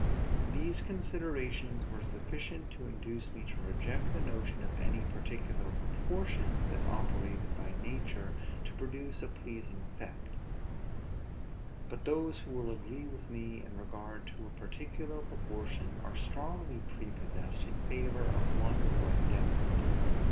These considerations were sufficient to induce me to reject the notion of any particular proportions that operated by nature to produce a pleasing effect; but those who will agree with me with regard to a particular proportion, are strongly prepossessed in favor of one more indefinite.